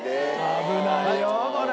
危ないよこれ。